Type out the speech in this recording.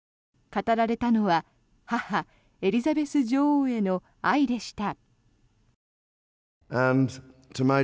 語られたのは母エリザベス女王への愛でした。